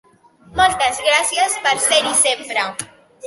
Moltes gràcies per ser-hi sempre!